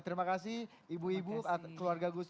terima kasih ibu ibu keluarga gus